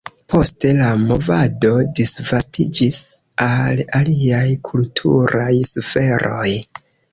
Poste la movado disvastiĝis al aliaj kulturaj sferoj.